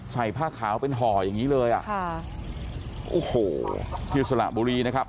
ผ้าขาวเป็นห่ออย่างงี้เลยอ่ะค่ะโอ้โหที่สระบุรีนะครับ